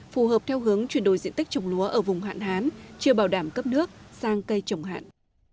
phù hợp theo hướng chuyển đổi diện tích trồng lúa ở vùng hạn hán chưa bảo đảm cấp nước sang cây trồng hạn